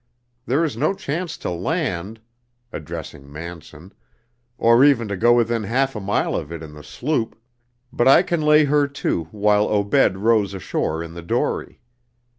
There is no chance to land" addressing Manson "or even to go within half a mile of it in the sloop; but I can lay her to while Obed rows ashore in the dory.